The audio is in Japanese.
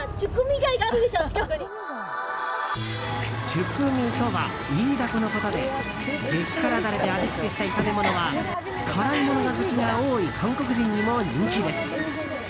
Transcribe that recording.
チュクミとはイイダコのことで激辛ダレで味付けした炒め物は辛いもの好きが多い韓国人にも人気です。